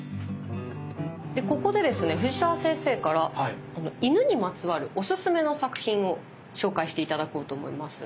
ここでですね藤澤先生から犬にまつわるオススメの作品を紹介して頂こうと思います。